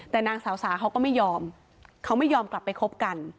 แต่นางสาวสาเขาก็ไม่ยอมเขาไม่ยอมกลับไปคบกัน